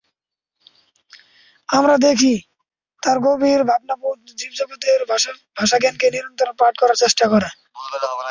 আমরা দেখি, তাঁর গভীর ভাবনাবোধ জীবজগতের ভাষাজ্ঞানকে নিরন্তর পাঠ করার চেষ্টা করে।